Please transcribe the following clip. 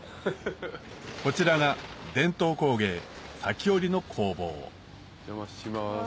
こちらが伝統工芸裂織りの工房お邪魔します